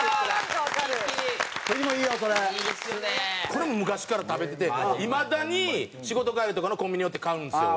これも昔から食べてていまだに仕事帰りとかのコンビニ寄って買うんですよ